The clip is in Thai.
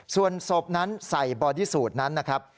ส่วนศพนั้นใส่บอดี้สูตรนั้นนะครับ